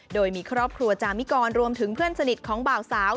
โดยมีครอบครัวจามิกรรวมถึงเพื่อนสนิทของบ่าวสาว